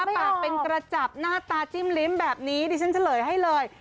ปากเป็นกระจับหน้าตาจิ้มลิ้มแบบนี้ดิฉันเฉลยให้เลย